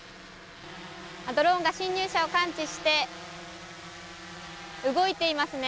ドローンが侵入者を感知して動いていますね。